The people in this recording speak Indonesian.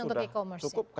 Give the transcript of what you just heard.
itu sudah cukup